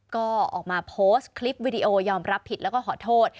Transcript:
ก็ออกมาโพสต์คลิปวิดีโอยอมรับผิดแล้วก็ขอโทษ